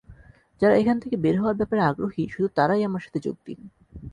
যারা এখান থেকে বের হওয়ার ব্যাপারে আগ্রহী, শুধু তারাই আমার সাথে যোগ দিন।